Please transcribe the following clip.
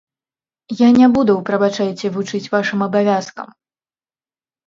Я не буду, прабачайце, вучыць вашым абавязкам.